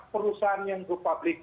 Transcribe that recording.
perusahaan yang republik